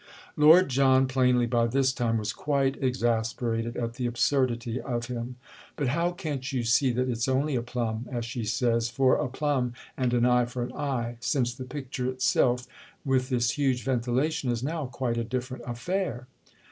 Lord John, plainly, by this time, was quite exasperated at the absurdity of him. "But how can't you see that it's only a plum, as she says, for a plum and an eye for an eye—since the picture itself, with this huge ventilation, is now quite a different affair?"